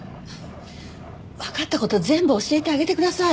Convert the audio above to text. わかった事全部教えてあげてください。